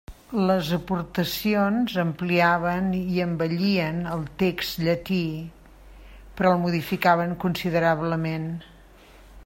Les aportacions ampliaven i embellien el text llatí, però el modificaven considerablement.